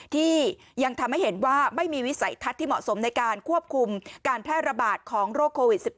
ที่ยังทำให้เห็นว่าไม่มีวิสัยทัศน์ที่เหมาะสมในการควบคุมการแพร่ระบาดของโรคโควิด๑๙